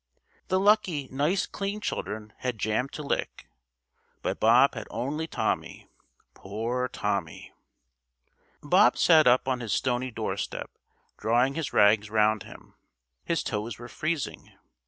The lucky nice clean children had jam to lick, but Bob had only Tommy. Poor Tommy! Bob sat up on his stony doorstep, drawing his rags around him. His toes were freezing.